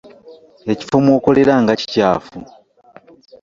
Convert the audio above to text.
Ekifo mw'okolera nga kikyafu!